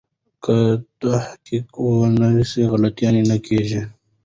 که تحقیق وي نو غلطي نه کیږي.